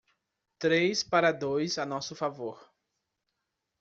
Três para dois a nosso favor.